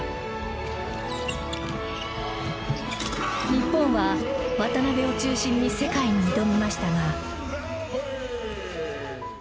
日本は渡邊を中心に世界に挑みましたが。